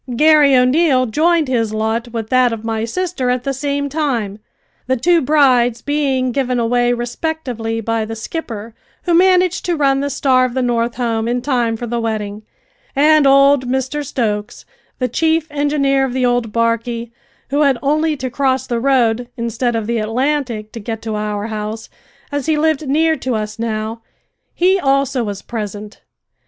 Garry O'Neil joined his lot with that of my sister at the same time, the two brides being given away respectively by the skipper, who managed to run the Star of the North home in time for the wedding, and old Mr Stokes, the chief engineer of the old barquey, who had only to cross the road, instead of the Atlantic, to get to our house, as he lived near to us now he also was present.